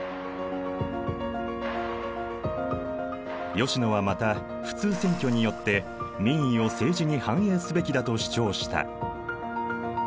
吉野はまた普通選挙によって民意を政治に反映すべきだと主張した。